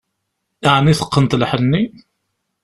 Ɛni teqqneḍ lḥenni?